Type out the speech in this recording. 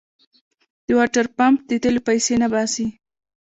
د واټرپمپ د تېلو پيسې نه باسي.